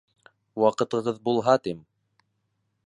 Ваҡытығыҙ булһа, тим.